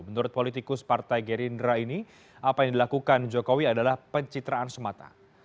menurut politikus partai gerindra ini apa yang dilakukan jokowi adalah pencitraan semata